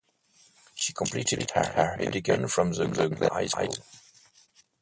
She completed her education from The Glen High School.